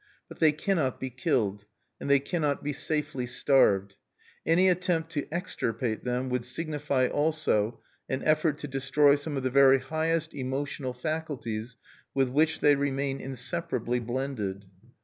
But they cannot be killed; and they cannot be safely starved. Any attempt to extirpate them would signify also an effort to destroy some of the very highest emotional faculties with which they remain inseparably blended.